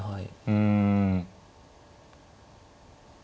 うん。